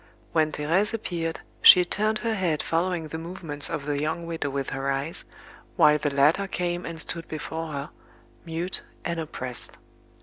When Thérèse appeared, she turned her head following the movements of the young widow with her eyes, while the latter came and stood before her, mute and oppressed.